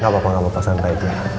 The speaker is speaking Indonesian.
gapapa gapapa santai aja